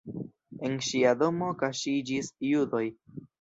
En ŝia domo kaŝiĝis judoj.